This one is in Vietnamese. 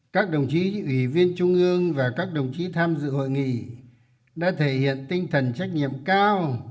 các đồng chí ủy viên trung ương và các đồng chí tham dự hội nghị đã thể hiện tinh thần trách nhiệm cao